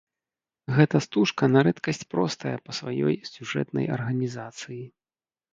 Гэта стужка на рэдкасць простая па сваёй сюжэтнай арганізацыі.